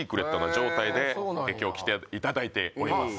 そうなんやで今日来ていただいております